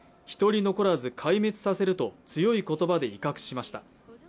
一人残らず壊滅させると強い言葉で威嚇しました。